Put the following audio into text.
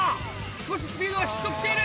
少しスピードが失速している！